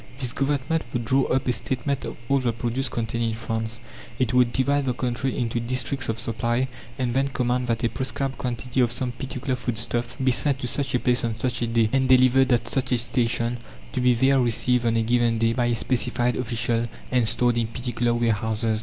This Government would draw up a statement of all the produce contained in France. It would divide the country into districts of supply, and then command that a prescribed quantity of some particular foodstuff be sent to such a place on such a day, and delivered at such a station, to be there received on a given day by a specified official and stored in particular warehouses.